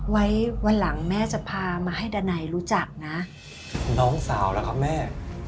ไว้วันหลังแม่จะพามาให้ดานัยรู้จักนะน้องสาวล่ะครับแม่